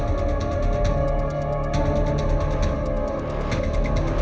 siapa yang mencadangku